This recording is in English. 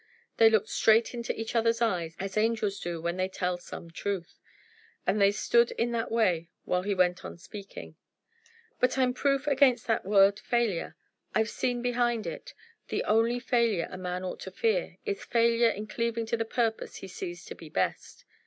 They looked straight into each other's eyes, as angels do when they tell some truth. And they stood in that way while he went on speaking. "But I'm proof against that word failure. I've seen behind it. The only failure a man ought to fear is failure in cleaving to the purpose he sees to be best.